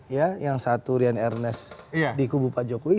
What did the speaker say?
ya yang satu rian ernest di kubu pak jokowi